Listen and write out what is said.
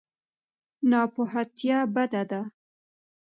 ناپوهتیا بده ده.